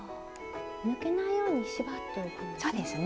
抜けないように縛っておくんですね。